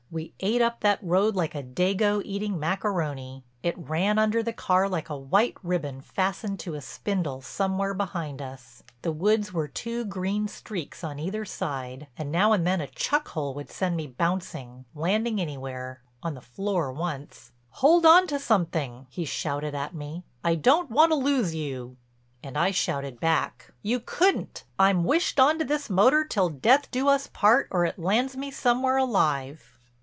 We ate up that road like a dago eating macaroni; it ran under the car like a white ribbon fastened to a spindle somewhere behind us. The woods were two green streaks on either side, and now and then a chuck hole would send me bouncing, landing anywhere—on the floor once. "Hold on to something," he shouted at me. "I don't want to lose you." And I shouted back: "You couldn't. I'm wished on to this motor till death do us part or it lands me somewhere alive."